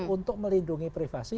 untuk melindungi privasi